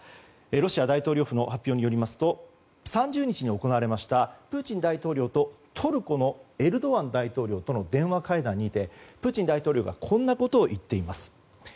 ロシア大統領府の発表によりますと３０日に行われましたプーチン大統領とトルコのエルドアン大統領との電話会談にてプーチン大統領がこんなことを言っています。